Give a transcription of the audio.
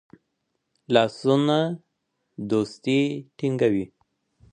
لاسونه دوستی ټینګوي